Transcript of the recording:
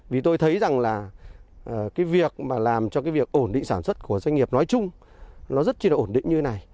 vì tôi thấy rằng là cái việc mà làm cho cái việc ổn định sản xuất của doanh nghiệp nói chung nó rất là ổn định như này